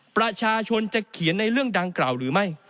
ประชาชนจะเขียนในเรื่องดังกล่าวหรือไม่